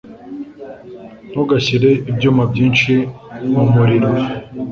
ntugashyire ibyuma byinshi mumuriro